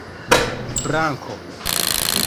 brako